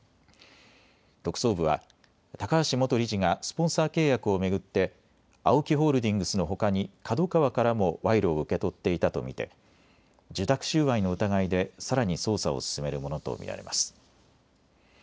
特捜部は高橋元理事がスポンサー契約を巡ってＡＯＫＩホールディングスのほかにＫＡＤＯＫＡＷＡからも賄賂を受け取っていたと見て受託収賄の疑いでさらに捜査を進めるものと見られます。